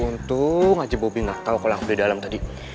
untung aja bobby gak tau kalau aku udah dalem tadi